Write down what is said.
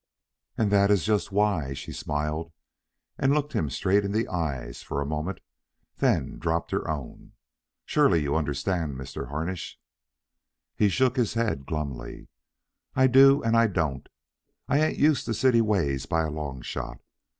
"And that is just why." She smiled, and looked him straight in the eyes for a moment, then dropped her own. "Surely, you understand, Mr. Harnish." He shook his head glumly. "I do, and I don't. I ain't used to city ways by a long shot.